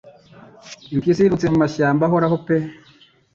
Impyisi yirutse mu mashyamba ahoraho pe